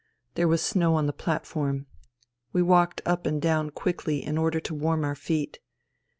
There was snow on the platform. We walked up and down quickly in order to warm our feet.